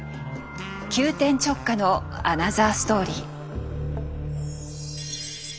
急転直下のアナザーストーリー。